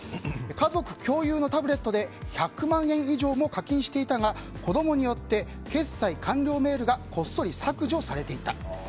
家族共有のタブレットで１００万円以上も課金していたが子供によって決済完了メールがこっそり削除されていた。